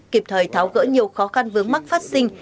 kịp thời tháo gỡ nhiều khó khăn vướng mắc phát sinh